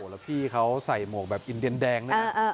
แล้วพี่เขาใส่หมวกแบบอินเดียนแดงนะครับ